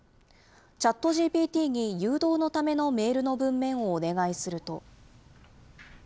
ＣｈａｔＧＰＴに、誘導のためのメールの文面をお願いすると。